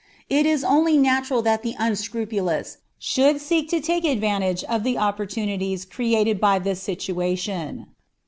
It is only natural that the unscrupulous should seek to take advantage of the opportunities created by this situation.